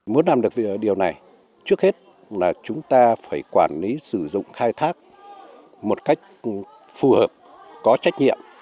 muốn làm được điều này trước hết là chúng ta phải quản lý sử dụng khai thác một cách phù hợp có trách nhiệm